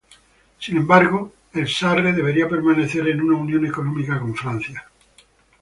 Sin embargo, el Sarre debería permanecer en una unión económica con Francia.